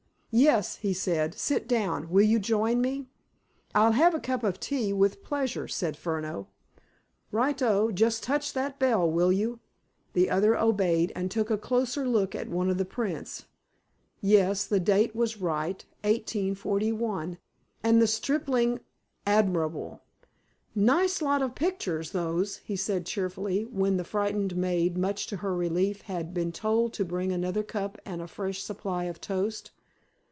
"Yes," he said. "Sit down. Will you join me?" "I'll have a cup of tea, with pleasure," said Furneaux. "Right o! Just touch that bell, will you?" The other obeyed, and took a closer look at one of the prints. Yes, the date was right, 1841, and the stippling admirable. "Nice lot of pictures, those," he said cheerfully, when the frightened maid, much to her relief, had been told to bring another cup and a fresh supply of toast.